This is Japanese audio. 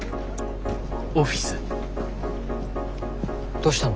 どうしたの？